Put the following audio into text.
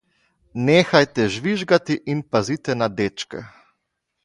Nehajte žvižgati in pazite na dečke.